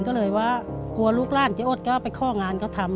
ก็เลยกลัวลูกร่านจะอดไปข้อก้องานเขาทำ